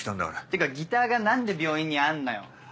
てかギターが何で病院にあんのよ。